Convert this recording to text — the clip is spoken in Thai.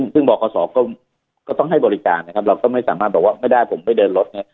ซึ่งบคศก็ต้องให้บริการนะครับเราก็ไม่สามารถบอกว่าไม่ได้ผมไม่เดินรถเนี่ย